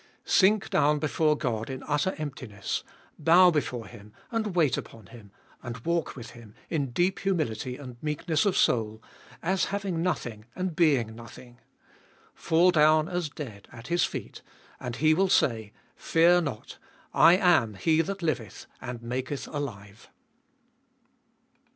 Sink down before God in utter emptiness ; bow before Him and wait upon Him, and walk with Him, in deep humility and meekness of soul, as having nothing and being nothing; fall down as dead at His feet, and He will say : Fear not, I am He that liveth, and maketh alive.